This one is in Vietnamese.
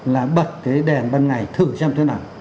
là bật cái đèn ban ngày thử xem thế nào